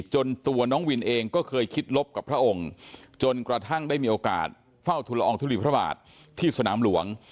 จนตัวน้องวินเองก็เคยคิดลบกับพระองค์จนกระทั่งได้มีโอกาสเฝ้าทุลอองทุลีพระบาทที่สนามหลวง